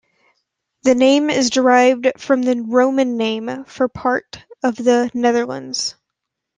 The name is derived from the Roman name for part of the Netherlands.